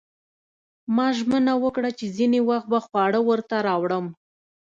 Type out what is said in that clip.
ما ژمنه وکړه چې ځینې وخت به خواړه ورته راوړم